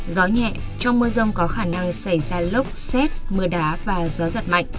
gió nhẹ trong mưa rông có khả năng xảy ra lốc xét mưa đá và gió giật mạnh